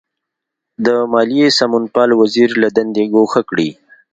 د مالیې سمونپال وزیر له دندې ګوښه کړي.